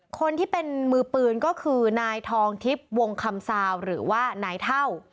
คนที่เป็นมือปืนก็คือนายทองทิพย์วงคำซาวหรือว่านายเท่า